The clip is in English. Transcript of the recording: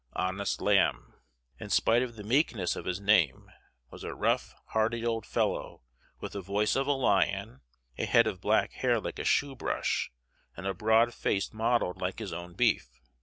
Honest Lamb, in spite of the meekness of his name, was a rough, hearty old fellow, with the voice of a lion, a head of black hair like a shoe brush, and a broad face mottled like his own beef.